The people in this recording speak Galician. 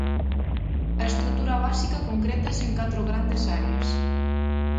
A estrutura básica concrétase en catro grandes áreas.